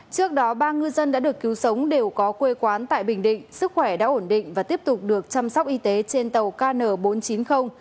trước đó ba ngư dân đã được cứu sống đều có quê quán tại bình định sức khỏe đã ổn định và tiếp tục được chăm sóc y tế trên tàu kn bốn trăm chín mươi